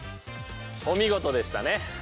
お見事でしたね。